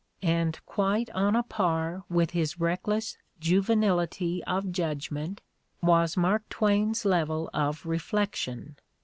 And quite on a par with his reckless juvenility of judgment was Mark Twain's level of reflection.